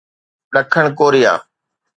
ڏکڻ ڪوريا